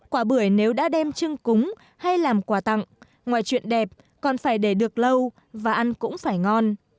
quả bưởi nếu đã đem chưng cúng hay làm quà tặng ngoài chuyện đẹp còn phải để được lâu và ăn cũng phải ngon